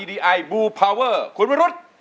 ใช้ใช้ใช้